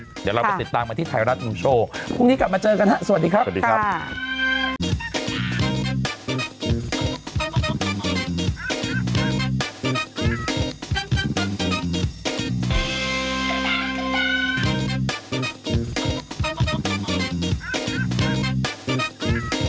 เดี๋ยวเราไปติดตามกันที่ไทยรัฐนิวโชว์พรุ่งนี้กลับมาเจอกันฮะสวัสดีครับสวัสดีครับ